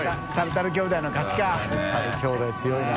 タルタル兄弟強いな。